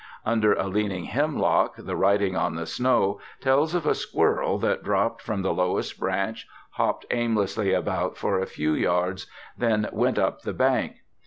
Under a leaning hemlock the writing on the snow tells of a squirrel that dropped from the lowest branch, hopped aimlessly about for a few yards, then went up the bank.